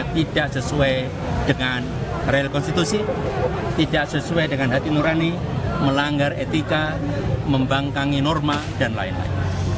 tidak sesuai dengan real konstitusi tidak sesuai dengan hati nurani melanggar etika membangkanggi norma dan lain lain